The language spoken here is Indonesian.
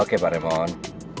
oke pak raymond